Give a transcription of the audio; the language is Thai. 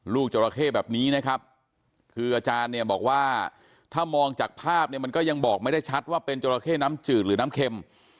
จราเข้แบบนี้นะครับคืออาจารย์เนี่ยบอกว่าถ้ามองจากภาพเนี่ยมันก็ยังบอกไม่ได้ชัดว่าเป็นจราเข้น้ำจืดหรือน้ำเค็ม